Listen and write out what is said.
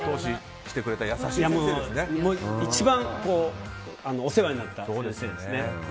一番お世話になった先生です。